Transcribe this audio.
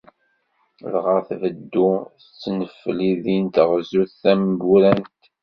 Dɣa tbeddu tettnefli din teɣzut tamgurant.